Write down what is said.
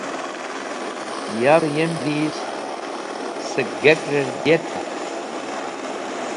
Yavẽ yem dhiz sẽk gakrẽr diyetka?